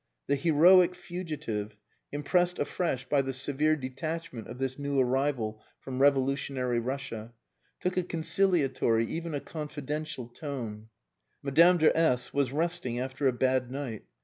The "heroic fugitive," impressed afresh by the severe detachment of this new arrival from revolutionary Russia, took a conciliatory, even a confidential tone. Madame de S was resting after a bad night.